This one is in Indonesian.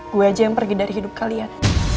gue aja yang pergi dari hidup kalian